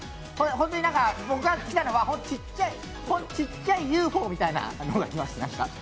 本当に僕が来たのはちっちゃいＵＦＯみたいなのが来ました。